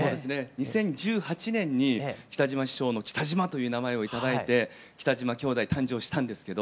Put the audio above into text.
２０１８年に北島師匠の北島という名前を頂いて北島兄弟誕生したんですけど。